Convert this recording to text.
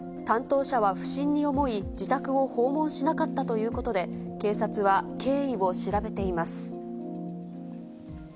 担当者は不審に思い、自宅を訪問しなかったということで、警察は経緯を調べています。